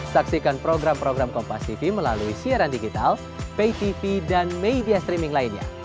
saksikan program program kompastv melalui siaran digital paytv dan media streaming lainnya